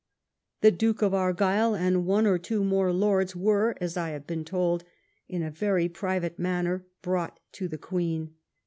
The Duke of Argyle, and one or two more Lords, were (as I have been told) in a very private manner brought to the Queen.